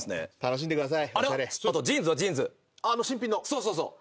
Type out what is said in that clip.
そうそうそう。